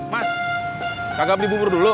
mas kagak beli bubur dulu